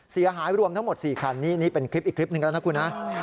เสียหายรวมทั้งหมด๔คันนี่เป็นคลิปอีกคลิปนึงนะครับคุณฮะ